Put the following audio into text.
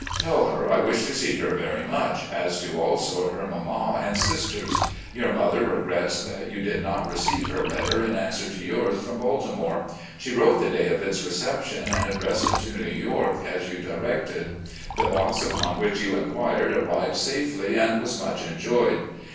Tell her I wish to see her very much, as do also her mama and sisters. Your mother regrets that you did not receive her letter in answer to yours from Baltimore. She wrote the day of its reception, and addressed it to New York, as you directed. The box about which you inquired arrived safely and was much enjoyed.